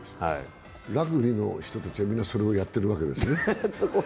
ラグビーの人たちはみんなそれをやってるわけですね？